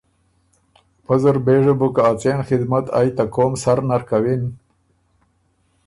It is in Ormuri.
پۀ زر بېژه بو که ا څېن خدمت ائ ته قوم سر نر کَوِن